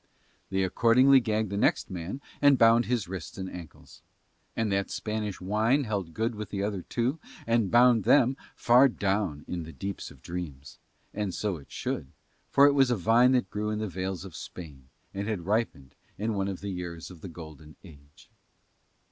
They accordingly gagged the next man and bound his wrists and ankles. And that Spanish wine held good with the other two and bound them far down among the deeps of dreams: and so it should, for it was of a vine that grew in the vales of Spain and had ripened in one of the years of the golden age.